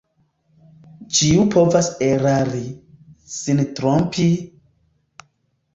Ĉiu povas erari, sin trompi...